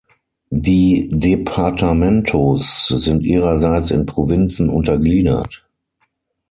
Die Departamentos sind ihrerseits in Provinzen untergliedert.